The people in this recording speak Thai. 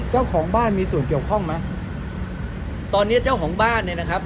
เจ้าของบ้านมีส่วนเกี่ยวข้องไหมตอนเนี้ยเจ้าของบ้านเนี่ยนะครับ